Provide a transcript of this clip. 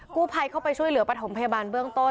กู้ภัยเข้าไปช่วยเหลือปฐมพยาบาลเบื้องต้น